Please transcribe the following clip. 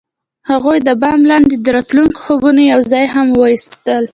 هغوی د بام لاندې د راتلونکي خوبونه یوځای هم وویشل.